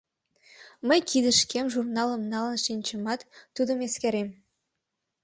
Мый кидышкем журналым налын шинчынамат, тудым эскерем.